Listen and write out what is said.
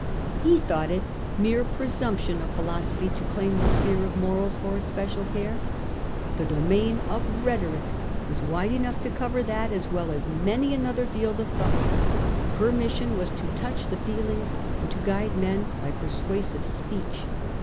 He thought it mere pre sumption of philosophy to claim the sphere of morals for its special care. The domain of rhetoric was wide enough to cover that as well as many another field of thought ; her mission was to touch the feelings and to guide men by persuasive speech.